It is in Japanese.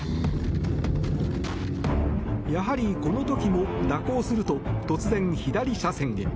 やはり、この時も蛇行すると突然左車線へ。